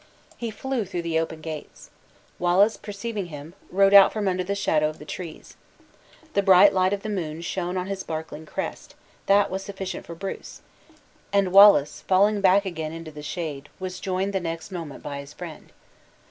He flew through the open gates. Wallace perceiving him, rode out from under the shadow of the trees. The bright light of the moon shone on his sparkling crest; that was sufficient for Bruce, and Wallace, falling back again into the shade, was joined the next moment by his friend.